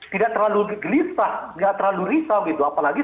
tidak terlalu gelisah nggak terlalu risau gitu apalagi